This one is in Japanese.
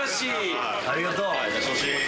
ありがとう！